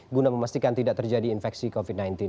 guna memastikan tidak terjadi infeksi covid sembilan belas